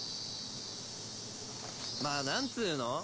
まぁ何つうの？